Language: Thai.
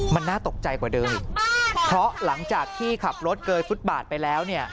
มันน่าตกใจกว่าเดิมอีกเพราะหลังจากที่ขับรถเกยฟุตบาทไปแล้วเนี่ย